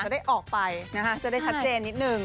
ได้ออกไปนะคะจะได้ชัดเจนนิดนึง